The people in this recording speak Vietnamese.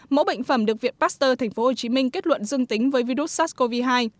mẫu bệnh phẩm được viện pasteur tp hcm kết luận dương tính với virus sars cov hai